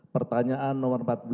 pertanyaan nomor empat belas